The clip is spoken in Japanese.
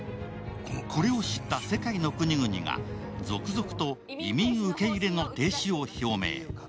これを知った世界の国々が続々と移民受け入れ停止を表明。